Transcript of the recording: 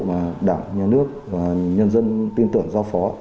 mà đảng nhà nước và nhân dân tin tưởng giao phó